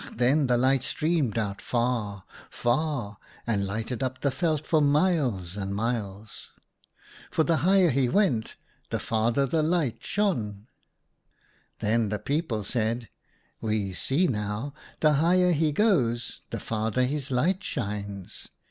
then the light streamed out far, far, and lighted up the veld for miles and miles. For the higher he went, the farther the light shone. " Then the people said :' We see now, the higher he goes the farther his light shines.